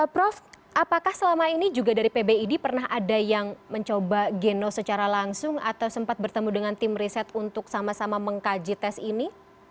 prof apakah selama ini juga dari pbid pernah ada yang mencoba genos secara langsung atau sempat bertemu dengan tim riset untuk sama sama mengkaji tes ini